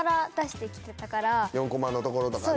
４コマのところとかね。